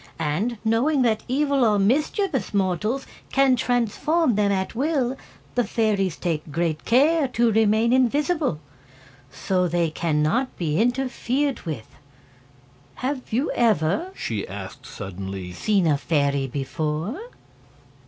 And, knowing that evil or mischievous mortals can transform them at will, the fairies take great care to remain invisible, so they can not be interfered with. Have you ever," she asked, suddenly, "seen a fairy before?"